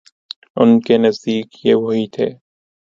ان کے نزدیک یہ وہی تھے۔